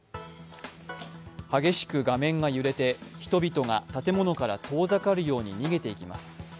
激しく画面が揺れて人々が建物から遠ざかるように逃げていきます。